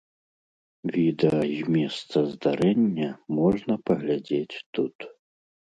Відэа з месца здарэння можна паглядзець тут.